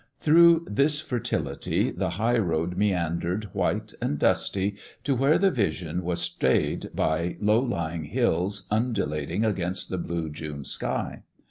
Through this fertility the high road meandered white and dusty to where the vision was stayed by low lying hills undulating against the blue June sky.